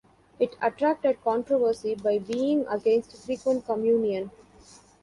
It attracted controversy by being against frequent communion.